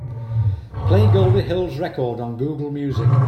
Play Goldie Hill's record on Google Music.